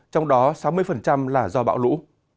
trong đó sáu mươi là do bạo lũ